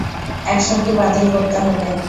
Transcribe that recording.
অ্যাকশনটি বাতিল করতে হবে।